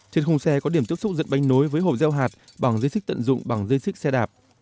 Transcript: trên khung xe có điểm tiếp xúc dẫn bánh nối với hồ gieo hạt bằng dây xích tận dụng bằng dây xích xe đạp